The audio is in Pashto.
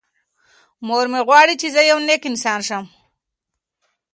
مور مې غواړي چې زه یو نېک انسان شم.